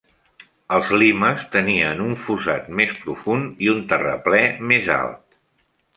Els limes tenien un fossat més profund i un terraplè més alt.